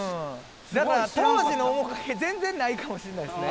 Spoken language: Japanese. だから当時の面影全然ないかもしれないですね。